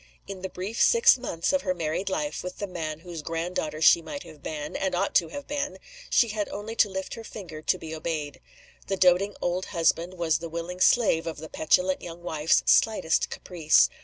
In the brief six months of her married life with the man whose grand daughter she might have been and ought to have been she had only to lift her finger to be obeyed. The doting old husband was the willing slave of the petulant young wife's slightest caprice.